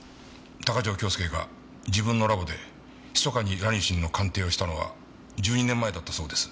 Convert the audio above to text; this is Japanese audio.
鷹城京介が自分のラボで密かにラニシンの鑑定をしたのは１２年前だったそうです。